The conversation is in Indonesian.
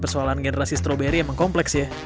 persoalan generasi strawberry emang kompleks ya